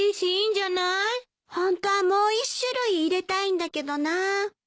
ホントはもう１種類入れたいんだけどな。